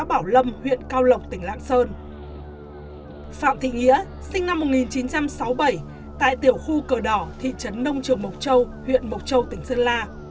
phạm thị nghĩa sinh năm một nghìn chín trăm sáu mươi bảy tại tiểu khu cờ đỏ thị trấn nông trường mộc châu huyện mộc châu tỉnh sơn la